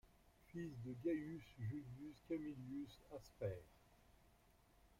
Fils de Gaius Julius Camilius Asper.